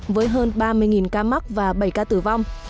với hơn ba mươi ca mắc và bảy ca tử vong